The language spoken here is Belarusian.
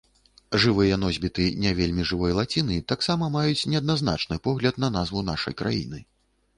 Жывыя носьбіты не вельмі жывой лаціны таксама маюць неадназначны погляд на назву нашай краіны.